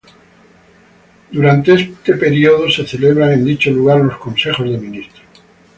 Durante este período se celebran en dicho lugar los Consejos de Ministros.